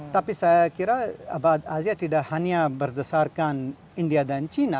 tapi saya kira abad asia tidak hanya berdasarkan india dan cina